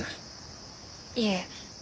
いえ。